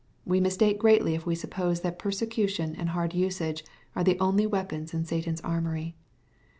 We mistake greatly if we suppose that persecution and hard usage are the only weapons in Satan's armory.